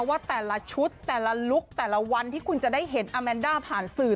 ว่าแต่ละชุดแต่ละลุคแต่ละวันที่คุณจะได้เห็นอาแมนด้าผ่านสื่อ